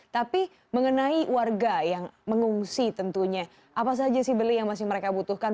tapi mengenai warga yang mengungsi tentunya apa saja sih beli yang masih mereka butuhkan